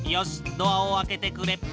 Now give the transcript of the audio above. ドアを開けてくれ。